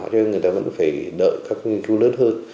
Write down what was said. cho nên người ta vẫn phải đợi các nghiên cứu lớn hơn